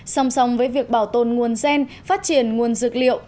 song song với việc bảo tồn nguồn gen phát triển nguồn dược liệu